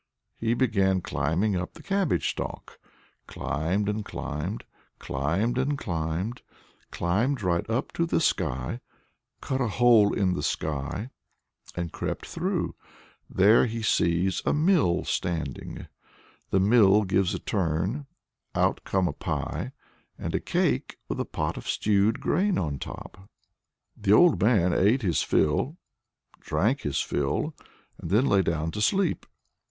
He began climbing up the cabbage stalk, climbed and climbed, climbed and climbed, climbed right up to the sky, cut a hole in the sky, and crept through. There he sees a mill standing. The mill gives a turn out come a pie and a cake with a pot of stewed grain on top. The old man ate his fill, drank his fill, and then lay down to sleep.